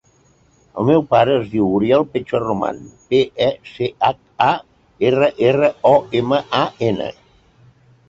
El meu pare es diu Uriel Pecharroman: pe, e, ce, hac, a, erra, erra, o, ema, a, ena.